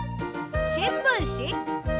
しんぶんし？